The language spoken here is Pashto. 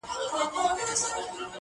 • تش په نوم که د نیکونو ژوندي پایو ,